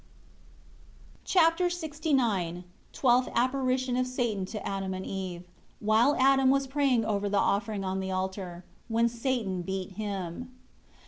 Chapter LXIX Twelfth apparition of Satan to Adam and Eve, while Adam was praying over the offering on the altar; when Satan beat him.